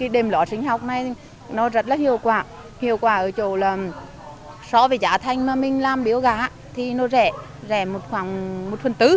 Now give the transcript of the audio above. đệm lót sinh học này rất hiệu quả hiệu quả ở chỗ so với giá thanh mà mình làm biểu gã thì nó rẻ rẻ khoảng một phần tứ